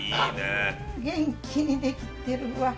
元気にできてるわ。